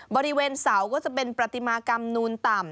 บริเวณเสาก็จะเป็นปฏิมากรรมนูนต่ำ